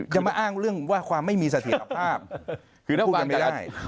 จะมาอ้างเรื่องว่าความไม่มีสถิตภาพคือพูดกันไม่ได้